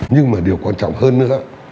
nhưng mà điều quan trọng hơn nữa